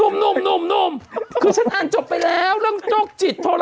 นุ่มนุ่มนุ่มนุ่มคือฉันอ่านจบไปแล้วเรื่องจกจิตโทร